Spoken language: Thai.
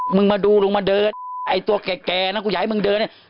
มึงมาดูลุงมาเดินไอ้ตัวแก่นะกูอยากให้มึงเดินเนี่ย